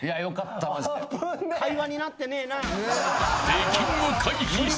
出禁を回避ね。